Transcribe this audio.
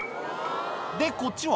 でこっちは